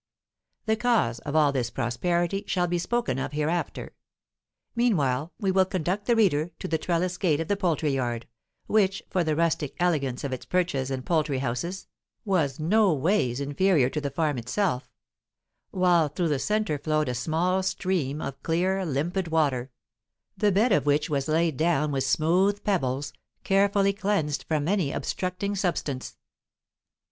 The cause of all this prosperity shall be spoken of hereafter. Meanwhile we will conduct the reader to the trellised gate of the poultry yard, which, for the rustic elegance of its perches and poultry houses, was noways inferior to the farm itself; while through the centre flowed a small stream of clear, limpid water, the bed of which was laid down with smooth pebbles, carefully cleansed from any obstructing substance.